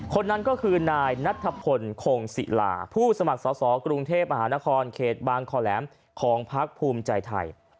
คนนั้นก็คือนายนัทพลคงศิลาผู้สมัครสอสอกรุงเทพมหานครเขตบางคอแหลมของพักภูมิใจไทย